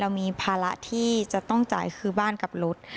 มีภาระที่จะต้องจ่ายคือบ้านกับรถ